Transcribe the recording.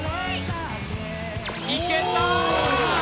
いけたー！